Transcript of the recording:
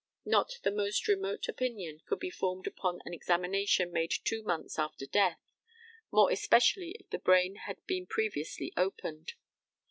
Not the most remote opinion could be formed upon an examination made two months after death, more especially if the brain had been previously opened.